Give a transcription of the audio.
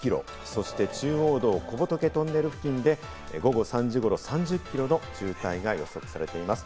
そして中央道・小仏トンネル付近で５午後３時頃、３０キロの渋滞が予測されています。